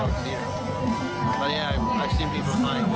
tapi saya melihat orang orang menemukan anjing